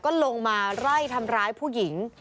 ก็ลงมาไล่ทำร้ายผู้หญิง